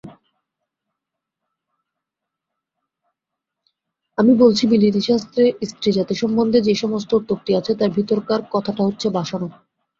আমি বলছি বিলিতি শাস্ত্রে স্ত্রীজাতিসম্বন্ধে যে-সমস্ত অত্যুক্তি আছে তার ভিতরকার কথাটা হচ্ছে বাসনা।